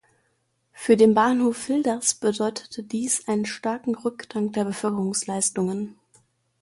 Für den Bahnhof Hilders bedeutete dies einen starken Rückgang der Beförderungsleistungen.